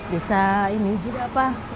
bisa ini juga pak